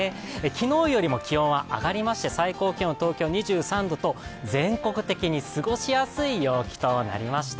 昨日よりも気温は上がりまして、最高気温、東京２３度と全国的に過ごしやすい陽気となりました。